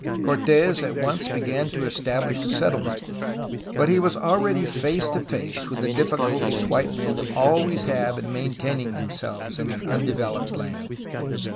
Cortes at once began to establish a settlement, but he was already face to face with the difficulties white men always have in main taining themselves in an undeveloped land.